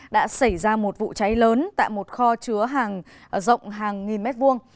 đã xảy ra một vụ cháy lớn tại một kho chứa hàng rộng hàng nghìn mét vuông